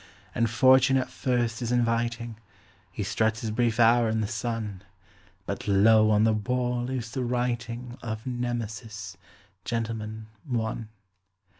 And fortune at first is inviting He struts his brief hour in the sun But, lo! on the wall is the writing Of Nemesis, "Gentleman, One".